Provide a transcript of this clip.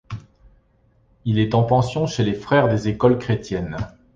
Il est en pension chez les Frères des écoles chrétiennes.